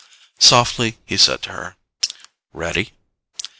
Softly he said to her, "Ready?"